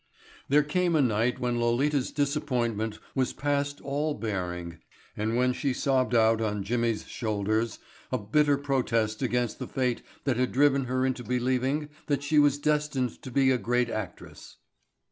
There came a night when Lolita's disappointment was past all bearing and when she sobbed out on Jimmy's shoulders a bitter protest against the fate that had driven her into believing that she was destined to be a great actress.